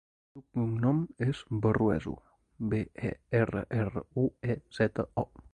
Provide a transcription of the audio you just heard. El seu cognom és Berruezo: be, e, erra, erra, u, e, zeta, o.